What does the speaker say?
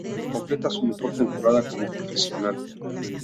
Completa su mejor temporada como profesional.